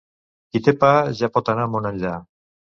Qui té pa ja pot anar món enllà.